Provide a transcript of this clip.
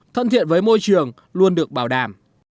thân thiện với môi trường luôn được bảo đảm